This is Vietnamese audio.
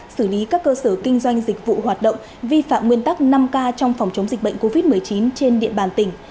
xử lý các cơ sở kinh doanh dịch vụ hoạt động vi phạm nguyên tắc năm k trong phòng chống dịch bệnh covid một mươi chín trên địa bàn tỉnh